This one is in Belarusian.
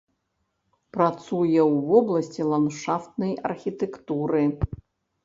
Працуе ў вобласці ландшафтнай архітэктуры.